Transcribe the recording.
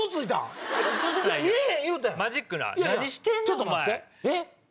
ちょっと待って。